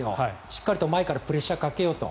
しっかりと前からプレッシャーをかけようと。